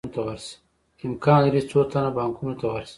امکان لري څو تنه بانکونو ته ورشي